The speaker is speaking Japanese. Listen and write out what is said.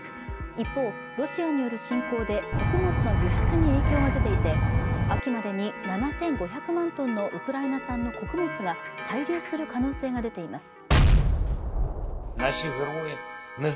一方、ロシアによる侵攻で穀物の輸出に影響が出ていて秋までに７５００万トンのウクライナ産の穀物が滞留する可能性が出ています。